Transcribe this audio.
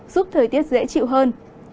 giúp thời tiết dễ chịu hơn